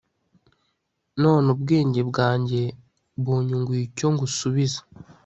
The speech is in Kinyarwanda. none ubwenge bwanjye bunyunguye icyo ngusubiza